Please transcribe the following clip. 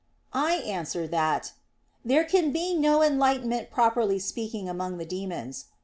I answer that, There can be no enlightenment properly speaking among the demons.